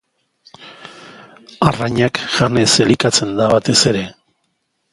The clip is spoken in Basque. Arrainak janez elikatzen da batez ere.